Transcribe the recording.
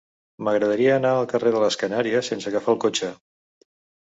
M'agradaria anar al carrer de les Canàries sense agafar el cotxe.